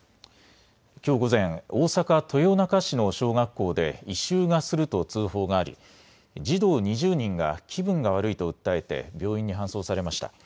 きょう午前、大阪豊中市の小学校で異臭がすると通報があり児童２０人が気分が悪いと訴えて病院に搬送されました。